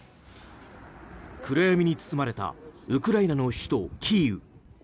暗闇に包まれたウクライナの首都キーウ。